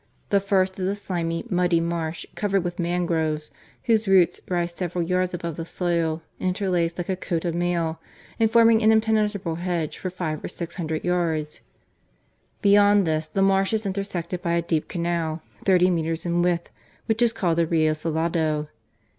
The first is a slimy, muddy marsh covered with mangroves whose roots rise several yards above the soil interlaced like a coat of mail and forming an impenetrable hedge for five or six THE TAKING OF GUAYAQUIL. 99 hundred yards. Beyond this, the marsh is intersected by a deep canal, thirty metres in width, which is ^called the Rio Salado.